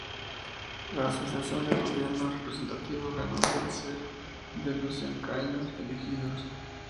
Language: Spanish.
La Asociación de Gobierno Representativo ganó un tercer de los escaños elegidos.